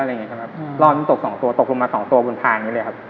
รอบนี้ตก๒ตัวก็ลงอย่างงี้เลยครับ